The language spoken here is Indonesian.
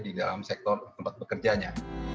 di dalam sektor tempat bekerjanya